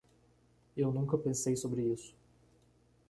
Eu nunca pensei sobre isso.